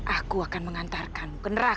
aku akan mengantarkanmu ke neraka